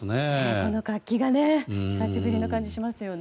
この活気がね久しぶりの感じしますよね。